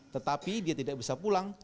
tetapi dia tidak bisa pulang